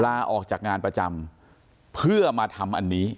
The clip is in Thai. ลาออกจากงานประจำเพื่อมาทำอันนี้